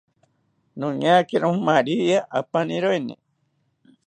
Noñakiro maria apaniroeni